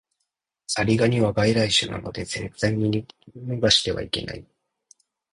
ザリガニは外来種なので絶対に逃してはいけない